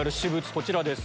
こちらです。